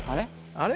あれ？